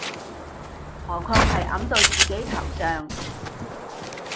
何況係揼到自己頭上